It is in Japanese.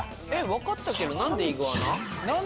分かったけど何でイグアナ？